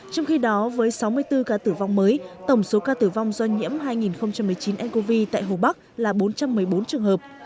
trong khi đó với sáu mươi bốn ca tử vong mới tổng số ca tử vong do nhiễm hai nghìn một mươi chín ncov tại hồ bắc là bốn trăm một mươi bốn trường hợp